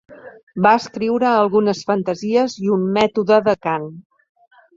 Va escriure algunes fantasies i un mètode de cant.